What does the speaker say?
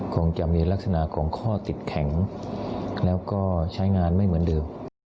คงจะมีลักษณะของข้อติดแข็งแล้วก็ใช้งานไม่เหมือนเดิม